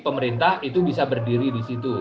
pemerintah itu bisa berdiri di situ